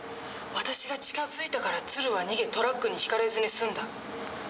私が近づいたから鶴は逃げトラックにひかれずにすんだ。